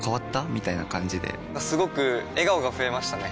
みたいな感じですごく笑顔が増えましたね！